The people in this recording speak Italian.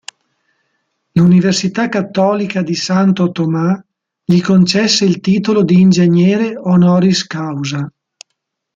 L'Università Cattolica di Santo Tomas gli concesse il titolo di ingegnere "honoris causa".